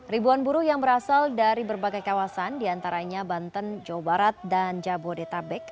ribuan buruh yang berasal dari berbagai kawasan diantaranya banten jawa barat dan jabodetabek